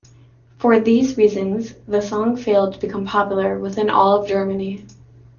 For these reasons, the song failed to become popular within all of Germany.